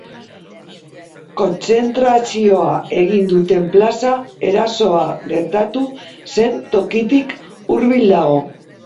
Kontzentrazioa egin duten plaza erasoa gertatu zen tokitik hurbil dago.